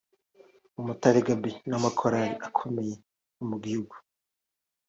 Umutare Gaby n’amakorali akomeye yo mu gihugu